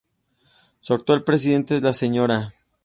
Su actual presidenta es la Sra.